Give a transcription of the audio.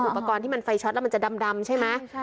อุปกรณ์ที่มันไฟช็อตแล้วมันจะดำใช่ไหม